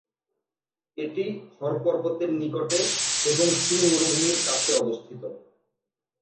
এটি হর পর্বত এর নিকটে এবং সিন মরুভূমির কাছে অবস্থিত।